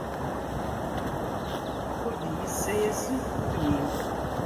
Ur d iyi-ssayasen udem-im.